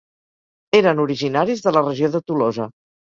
Eren originaris de la regió de Tolosa.